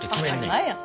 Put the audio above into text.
当たり前や。